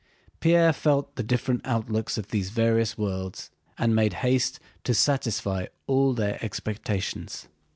Pierre felt the different outlooks of these various worlds and made haste to satisfy all their expectations.